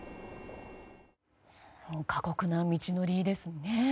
過酷な道のりですね。